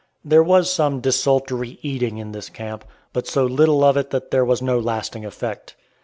There was some "desultory" eating in this camp, but so little of it that there was no lasting effect.